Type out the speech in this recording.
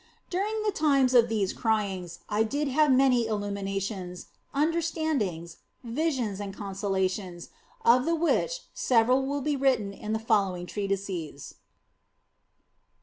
During the times of these cryings I did have many illuminations, understandings, visions, and consolations, of the which several will be written down in the following treatises.